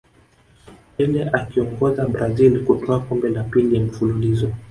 pele akiiongoza brazil kutwaa kombe la pili mfululizo